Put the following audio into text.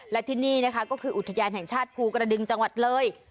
และที่นี่นะคะก็คืออุทยานแห่งชาติภูกระดึงจังหวัดเลย